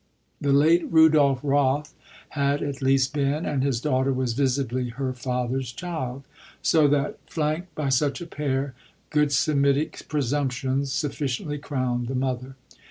The late Rudolf Roth had at least been, and his daughter was visibly her father's child; so that, flanked by such a pair, good Semitic presumptions sufficiently crowned the mother.